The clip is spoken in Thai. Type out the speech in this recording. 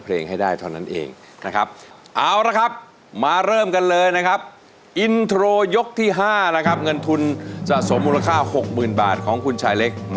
เพลงอะไรครับฟู๋ชายเล็ก